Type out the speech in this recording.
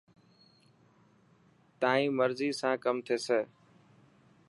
تيان مرضي سان ڪم ٿيسي.